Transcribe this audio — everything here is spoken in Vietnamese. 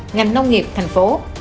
ngành nông nghiệp thành phố